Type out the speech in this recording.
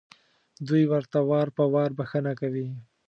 دوی ورته وار په وار بښنه کوي.